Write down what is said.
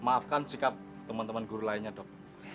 maafkan sikap teman teman guru lainnya dok